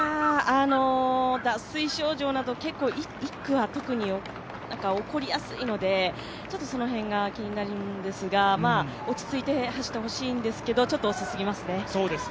脱水症状など１区は特に起こりやすいのでその辺が気になるんですが落ち着いて走ってほしいんですけどちょっと遅すぎますね。